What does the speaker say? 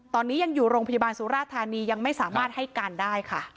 ตอนนี้ยังอยู่โรงพยาบาลสุราธานียังไม่สามารถให้การได้ค่ะ